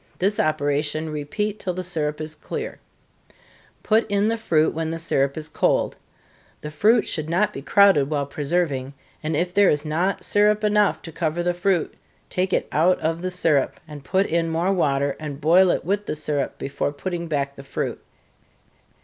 This operation repeat till the syrup is clear put in the fruit when the syrup is cold. The fruit should not be crowded while preserving, and if there is not syrup enough to cover the fruit, take it out of the syrup, and put in more water, and boil it with the syrup before putting back the fruit.